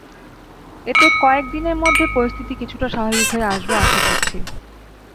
এতে কয়েক দিনের মধ্যে পরিস্থিতি কিছুটা স্বাভাবিক হয়ে আসবে আশা করছি।